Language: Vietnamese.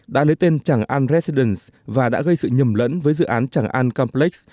đã lấy tên tràng an residence và đã gây sự nhầm lẫn với dự án tràng an campex